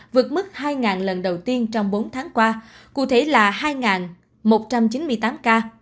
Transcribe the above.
vượt mức hai lần đầu tiên trong bốn tháng qua cụ thể là hai một trăm chín mươi tám ca